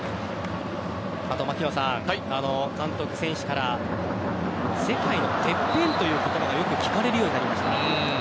監督、選手から世界のてっぺんという言葉がよく聞かれるようになりました。